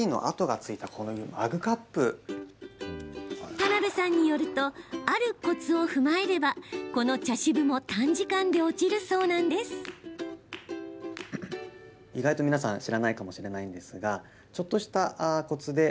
田邊さんによるとあるコツを踏まえればこの茶渋も短時間で落ちるそうなんです。